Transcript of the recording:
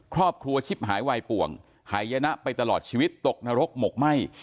ครอบครัวชิบหายวัยป่วงหายนะไปตลอดชีวิตตกนรกหมกไหม้